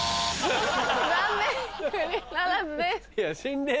残念クリアならずです。